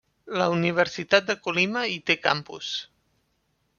La Universitat de Colima hi té campus.